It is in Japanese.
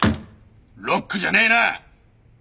ロックじゃねえな。